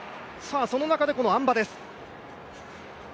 その中でこのあん馬です。